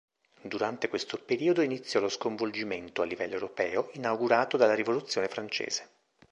Durante questo periodo iniziò lo sconvolgimento, a livello europeo, inaugurato dalla rivoluzione francese.